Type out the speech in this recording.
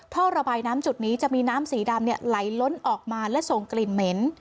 ท่อระบายน้ำจุดนี้จะมีน้ำสีดำไหลล้นออกมาและส่งกลิ่นเหม็น